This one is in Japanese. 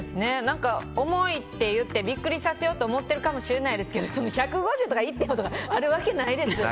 重いっていってビックリさせようと思ってるかもしれないけど１５０とか１．５とかあるわけないですよ。